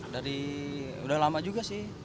dari udah lama juga sih